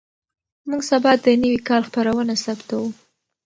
موږ سبا د نوي کال خپرونه ثبتوو.